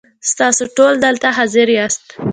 ستاسو ټول دلته حاضر یاست .